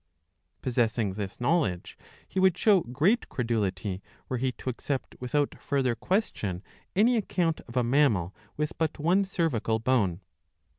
Possessing this knowledge, he would show great credulity were he to accept without further question any account of a mammal with but one cervical bone.